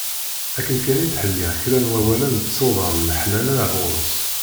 Akken kan i d-ttḥelliɣ kra n wawalen d tsudan n leḥnana ɣer-s.